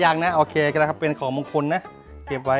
อ๋อยังนะโอเคครับเป็นของมงคลนะเก็บไว้